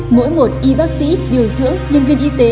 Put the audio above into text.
mỗi một y bác sĩ điều dưỡng nhân viên y tế